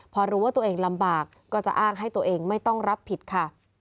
พอรู้ว่าตัวเองลำบากก็จะอ้างให้ตัวเองไม่ต้องรับผิดค่ะ